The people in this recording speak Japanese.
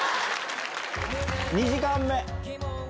２時間目。